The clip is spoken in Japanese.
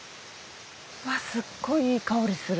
すっごいいい香りする。